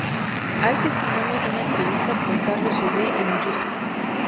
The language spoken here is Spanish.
Hay testimonios de una entrevista con Carlos V en Yuste.